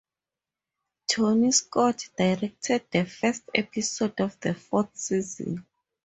Tony Scott directed the first episode of the fourth season.